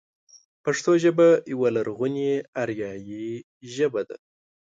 پښتو ژبه يوه لرغونې اريايي ژبه ده.